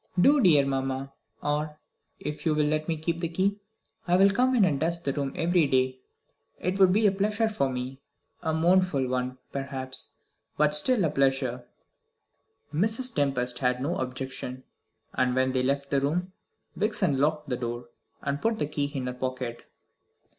"Do, dear mamma. Or, if you will let me keep the key, I will come in and dust the room every day. It would be a pleasure for me, a mournful one, perhaps, but still a pleasure." Mrs. Tempest made no objection, and, when they left the room, Vixen locked the door and put the key in her pocket.